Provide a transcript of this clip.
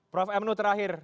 prof m nu terakhir